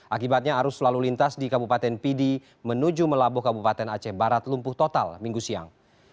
akibatnya arus lalu lintas di kabupaten pidi menuju melabuh kabupaten aceh barat lumpuh total minggu siang